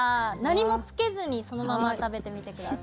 何もつけずにそのまま食べてみて下さい。